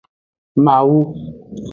Mawu.